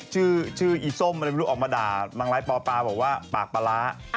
ชื่อชื่ออีส้มออกมาด่านางร้ายปอปราบอกว่าปากปลาล้า